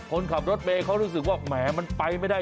คนขับรถเมย์เขารู้สึกว่าแหมมันไปไม่ได้